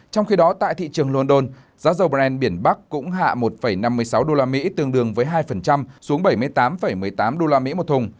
trong khi đó tại thị trường london giá dầu brent biển bắc cũng hạ một năm mươi sáu usd tương đương với hai xuống bảy mươi tám một mươi tám usd một thùng